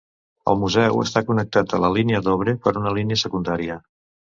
El museu està connectat a la línia Dovre per una línia secundària.